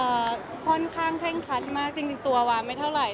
ค่อนข้างเคร่งคัดมากจริงจริงตัววาไม่เท่าไหร